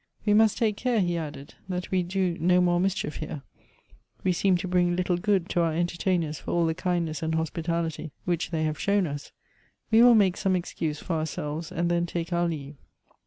" We must take care," he added, " that we do no more mischief here ; we seem to bring little good to our enter tainers for all the kindness and hospitality which they have shown us ; we will make some excuse for ourselves, and then take our leave."